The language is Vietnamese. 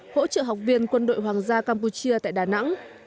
hỗ trợ học viên quân đội hoàng gia campuchia tại đà nẵng